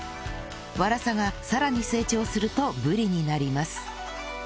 ワラサがさらに成長するとブリになります